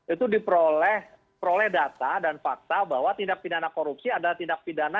itu diperoleh data dan fakta bahwa tindak pidana korupsi adalah tindak pidana